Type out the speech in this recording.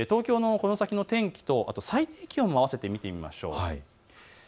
東京のこの先の天気と最高気温もあわせて見てみましょう。